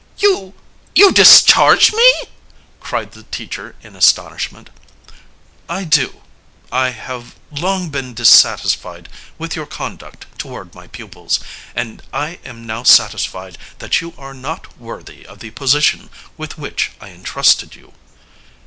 "You you discharge me!" cried the teacher in astonishment. "I do. I have long been dissatisfied with your conduct toward my pupils, and I am now satisfied that you are not worthy of the position with which I entrusted you."